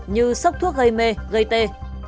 như sốc thuốc gây mê gây tê